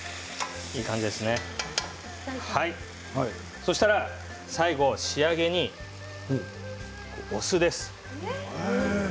そうしたら最後仕上げにお酢です。